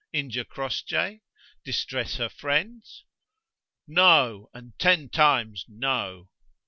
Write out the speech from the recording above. injure Crossjay? distress her friends? No, and ten times no!